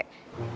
kamu udah kerja